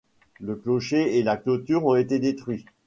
Le clocher et la clôture ont été détruits.